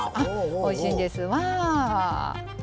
おいしいんです。